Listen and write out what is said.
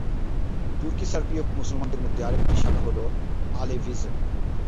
তুর্কি সাইপ্রিয় মুসলমানদের মধ্যে আরেকটি শাখা হ'ল আলেভিজম।